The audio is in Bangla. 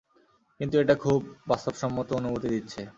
কিন্তু এটা খুব বাস্তবসম্মত অনুভূতি দিচ্ছে।